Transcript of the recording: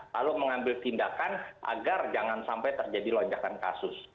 lalu mengambil tindakan agar jangan sampai terjadi lonjakan kasus